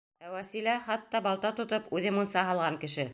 Ә Вәсилә — хатта балта тотоп, үҙе мунса һалған кеше.